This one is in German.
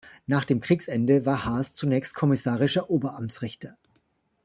Nach dem Kriegsende war Haas zunächst kommissarischer Oberamtsrichter.